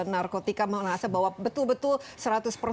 narkotika mengasah bahwa betul betul